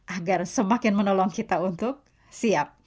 agar semakin menolong kita untuk siap